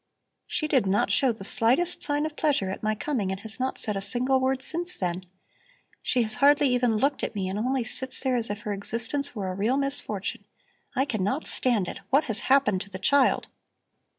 She did not show the slightest sign of pleasure at my coming and has not said a single word since then. She has hardly even looked at me and only sits there as if her existence were a real misfortune I cannot stand it. What has happened to the child?"